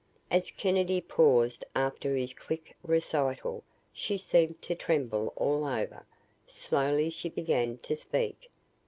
As Kennedy paused after his quick recital, she seemed to tremble all over. Slowly she began to speak.